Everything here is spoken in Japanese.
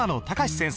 先生